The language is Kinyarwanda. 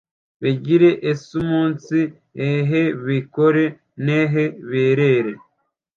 Begire isuumunsi eho bekore n’eho berere